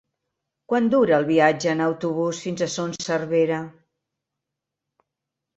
Quant dura el viatge en autobús fins a Son Servera?